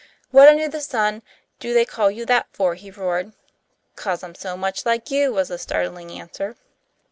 "What under the sun do they call you that for?" he roared. "'Cause I'm so much like you," was the startling answer.